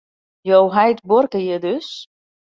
Jo heit buorke hjir dus?